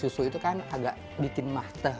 seperti susu itu agak membuat mata